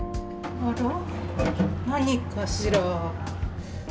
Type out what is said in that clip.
あら？何かしら。